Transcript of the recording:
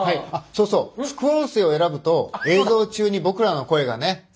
あっそうそう副音声を選ぶと映像中に僕らの声がね